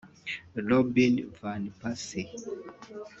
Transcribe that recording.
Robin Van Persie